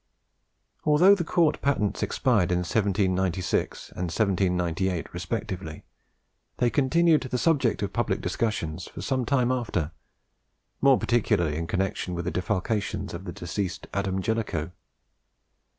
Although the Cort patents expired in 1796 and 1798 respectively, they continued the subject of public discussion for some time after, more particularly in connection with the defalcations of the deceased Adam Jellicoe.